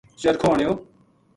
چرکھو آنیو